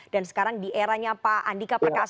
dan sekarang di eranya pak andika perkasut